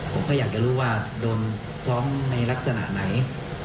ผมก็อยากจะรู้ว่าโดนฟ้องในลักษณะไหน